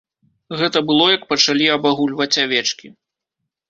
Гэта было, як пачалі абагульваць авечкі.